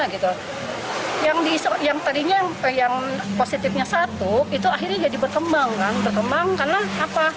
gitu yang bisa yang tadinya yang positifnya satu itu akhirnya jadi berkembang kembang karena apa